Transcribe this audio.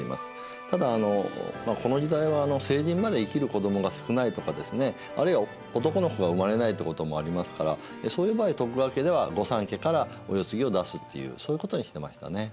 ただあのこの時代は成人まで生きる子どもが少ないとかですねあるいは男の子が生まれないということもありますからそういう場合徳川家では御三家からお世継ぎを出すっていうそういうことにしてましたね。